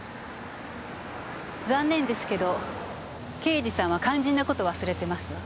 残念ですけど刑事さんは肝心な事忘れてますわ。